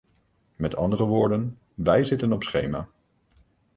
Met andere woorden; wij zitten op schema.